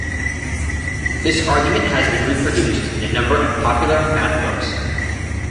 This argument has been reproduced in a number of popular math books.